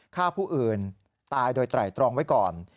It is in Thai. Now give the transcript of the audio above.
ฆ่าผู้อื่นตายโดยไตรตรองไว้ก่อน